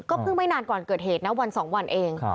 เพิ่งไม่นานก่อนเกิดเหตุนะวัน๒วันเอง